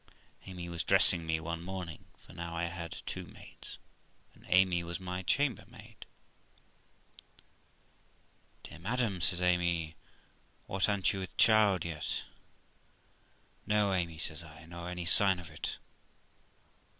Amy was dressing me one morning, for now I had two maids, and Amy was my chambermaid. 'Dear madam', says Amy, 'whatl a'nt you with child yet?' 'No, Amy', says I; 'nor any sign of it.'